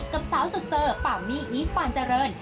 กับสาวสุดเซอร์ปามี่อีฟปานเจริญ